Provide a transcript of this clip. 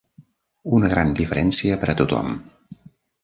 Una gran diferència per a tothom.